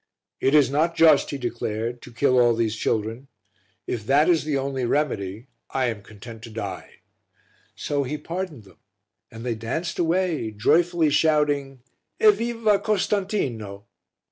"It is not just," he declared, "to kill all these children; if that is the only remedy, I am content to die." So he pardoned them and they danced away, joyfully shouting, "Evviva Costantino!"